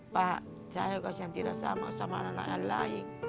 pak saya kasih yang tidak sama sama anak anak lain